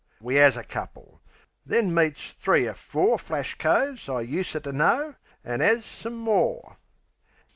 We 'as a couple; then meets three er four Flash coves I useter know, an' 'as some more.